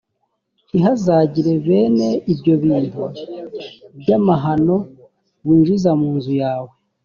ntihazagire bene ibyo bintu by’amahano winjiza mu nzu yawe